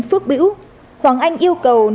phước biểu hoàng anh yêu cầu